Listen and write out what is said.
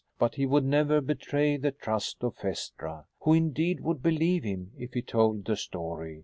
But he would never betray the trust of Phaestra. Who indeed would believe him if he told the story?